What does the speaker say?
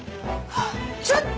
ちょっと！